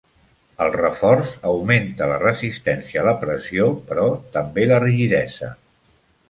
El reforç augmenta la resistència a la pressió però també la rigidesa.